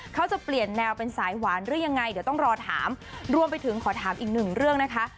เขาจะเปลี่ยนแนวเป็นสายหวานหรือยังไงเดี๋ยวต้องรอถามรวมไปถึงขอถามอีกหนึ่งเรื่องนะคะ